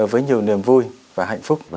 với nhiều niềm vui và hạnh phúc